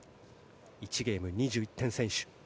１ゲーム２１点先取。